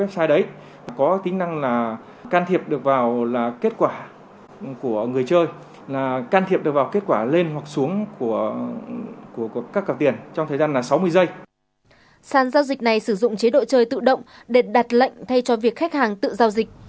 sản giao dịch này sử dụng chế độ chơi tự động để đặt lệnh thay cho việc khách hàng tự giao dịch